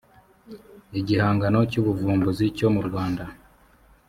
igihangano cy ubuvumbuzi cyo mu rwanda